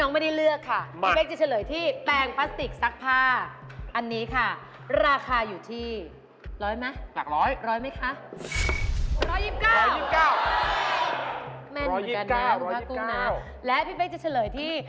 แม่นเหมือนกันกันแล้วอันนี้พี่เป๊๊กจะเฉลยที่